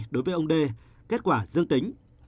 đối với ông d kết quả dương tính